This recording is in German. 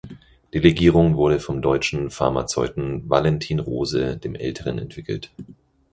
Die Legierung wurde vom deutschen Pharmazeuten Valentin Rose dem Älteren entwickelt.